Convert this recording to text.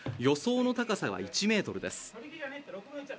予想の高さが１ｍです。